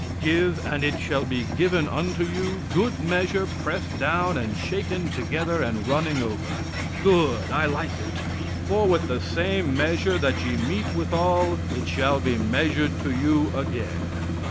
"Give, and it shall be given unto you, good measure, pressed down, and shaken together, and running over." Good! I like it. "For with the same measure that ye mete withal, it shall be measured to you again."